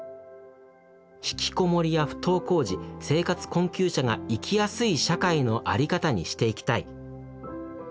「引きこもりや不登校児生活困窮者が生きやすい社会の在り方にしていきたい。